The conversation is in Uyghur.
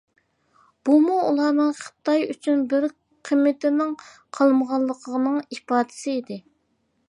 بۇمۇ ئۇلارنىڭ خىتاي ئۈچۈن بىر قىممىتىنىڭ قالمىغانلىقىنىڭ ئىپادىسى ئىدى.